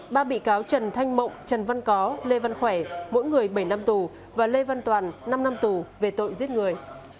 ba bị cáo trần thanh mộng trần văn có lê văn khỏe mỗi người bảy năm tù và lê văn toàn năm năm tù về tội giết người